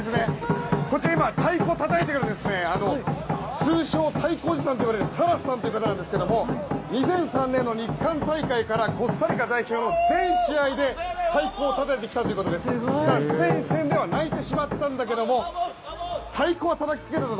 こちらは今、太鼓をたたいている通称、太鼓おじさんと呼ばれるサラスさんという方ですが２００２年の日韓大会からコスタリカ戦の全試合で太鼓をたたいてきたということでスペイン戦では泣いてしまったんだけどたいこはたたき続けると。